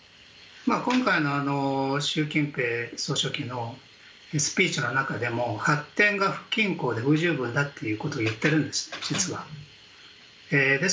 今回の習近平総書記のスピーチの中でも発展が不均衡で不十分だということを実は言っているんです。